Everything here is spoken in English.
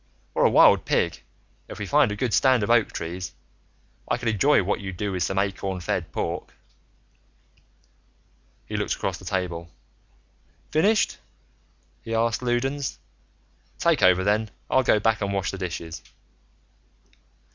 Or a wild pig, if we find a good stand of oak trees. I could enjoy what you'd do with some acorn fed pork." He looked across the table. "Finished?" he asked Loudons. "Take over, then. I'll go back and wash the dishes."